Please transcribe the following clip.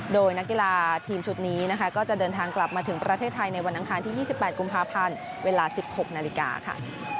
โดยนักกีฬาทีมชุดนี้นะคะก็จะเดินทางกลับมาถึงประเทศไทยในวันอังคารที่๒๘กุมภาพันธ์เวลา๑๖นาฬิกาค่ะ